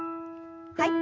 はい。